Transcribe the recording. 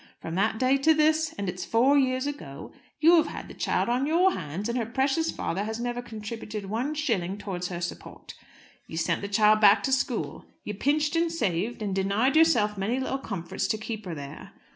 From that day to this, and it's four years ago, you have had the child on your hands, and her precious father has never contributed one shilling towards her support. You sent the child back to school. You pinched, and saved, and denied yourself many little comforts to keep her there.